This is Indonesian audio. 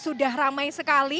sudah ramai sekali